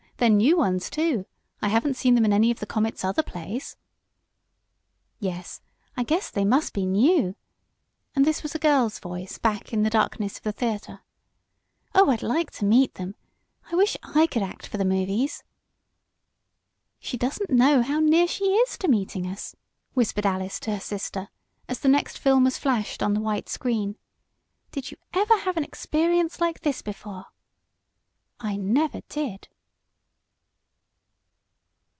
They're new ones, too. I haven't seen them in any of the Comet's other plays." "Yes, I guess they must be new," and this was a girl's voice back in the darkness of the theater. "Oh, I'd like to meet them! I wish I could act for the movies!" "She doesn't know how near she is to meeting us!" whispered Alice to her sister, as the next film was flashed on the white screen. "Did you ever have an experience like this before?" "I never did!"